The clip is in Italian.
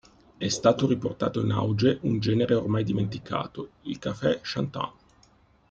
È stato riportato in auge un genere ormai dimenticato, il Cafè Chantant.